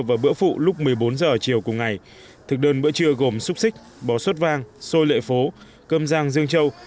và bữa phụ lúc một mươi bốn h chiều cùng ngày thực đơn bữa trưa gồm xúc xích bò suất vang xôi lệ phố cơm giang dương trâu